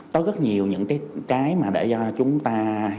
có rất nhiều những cái mà để cho chúng ta